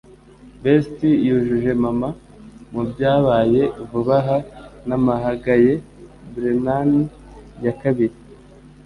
Betsy yujuje mama mubyabaye vuba aha nahamagaye Brennan ya kabiri.